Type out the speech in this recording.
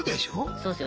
そうっすよ。